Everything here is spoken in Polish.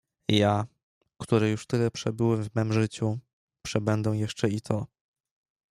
"Ja, który już tyle przebyłem w mem życiu, przebędę jeszcze i to."